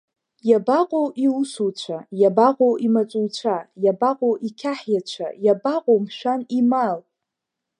Иабаҟоу иусуцәа, иабаҟоу имаҵуцәа, иабаҟоу иқьаҳиацәа, иабаҟоу, мшәан, имал!